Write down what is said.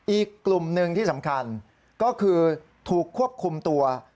อีกกลุ่มหนึ่งที่สำคัญก็คือถูกควบคุมตัว